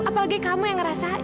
apalagi kamu yang merasakan